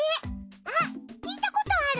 あっ聞いたことある！